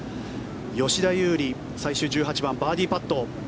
吉田優利、最終１８番バーディーパット。